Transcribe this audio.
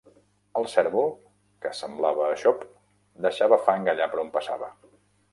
El cérvol, que semblava xop, deixava fang allà per on passava.